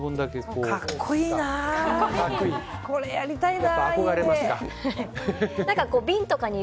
これやりたいな、家で。